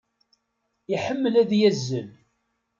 Iḥemmel ad yazzel.